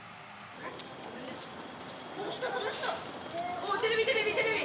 ・おテレビテレビテレビ！